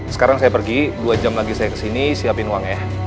sekarang saya pergi dua jam lagi saya kesini siapin uangnya